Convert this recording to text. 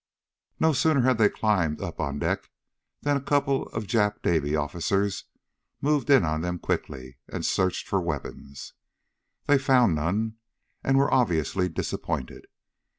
No sooner had they climbed up on deck than a couple of Jap Navy officers moved in on them quickly, and searched for weapons. They found none, and were obviously disappointed.